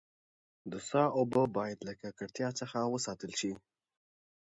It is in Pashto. د څاه اوبه باید له ککړتیا څخه وساتل سي.